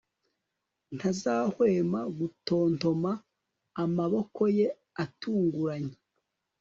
ntazahwema gutontoma, amaboko ye atunguranye